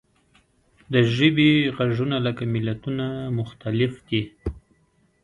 د ژبې غږونه لکه ملتونه مختلف دي.